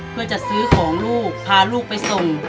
เพื่อจะซื้อของลูกพาลูกไปส่ง